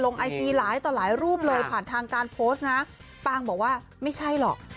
ไอจีหลายต่อหลายรูปเลยผ่านทางการโพสต์นะปางบอกว่าไม่ใช่หรอก